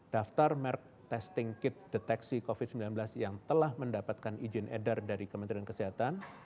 daftar merk testing kit deteksi covid sembilan belas yang telah mendapatkan izin edar dari kementerian kesehatan